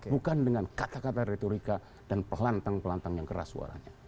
bukan dengan kata kata retorika dan pelantang pelantang yang keras suaranya